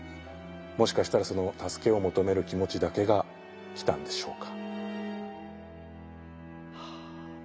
もしかしたらその助けを求める気持ちだけが来たんでしょうか。